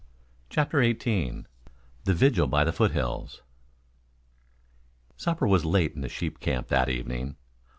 CHAPTER XVIII THE VIGIL BY THE FOOTHILLS Supper was late in the sheep camp that evening.